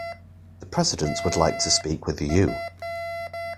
The President would like to speak with you.